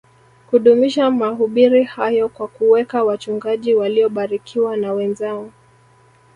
kudumisha mahubiri hayo kwa kuweka wachungaji waliobarikiwa na wenzao